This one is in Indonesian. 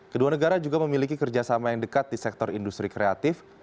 kedua negara juga memiliki kerjasama yang dekat di sektor industri kreatif